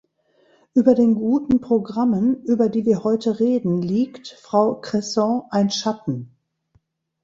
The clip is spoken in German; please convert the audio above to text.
Über den guten Programmen, über die wir heute reden, liegt, Frau Cresson, ein Schatten.